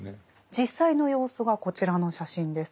実際の様子がこちらの写真です。